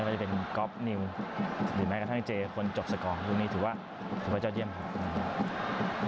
จะเป็นก๊อฟนิวหรือแม้กระทั่งเจคนจบสกอร์รุ่นนี้ถือว่าถือว่ายอดเยี่ยมครับ